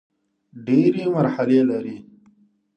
ډېري مرحلې لري .